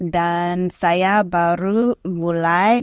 dan saya baru mulai